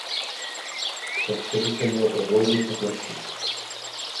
To vše by se mělo prohloubit a zlepšit.